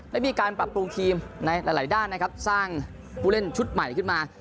ได้มีการปรับปรุงทีมในหลายด้านนะครับสร้างผู้เล่นชุดใหม่ขึ้นมา